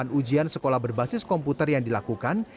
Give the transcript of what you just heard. dan ujian sekolah berbasis komputer yang dilakukan